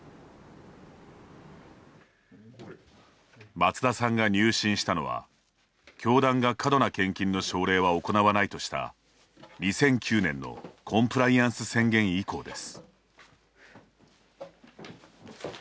松田さんが入信したのは教団が過度な献金の奨励は行わないとした、２００９年のコンプライアンス宣言以降です。